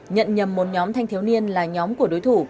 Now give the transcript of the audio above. nhận nhầm một nhóm thanh thiếu niên là nhóm của đối thủ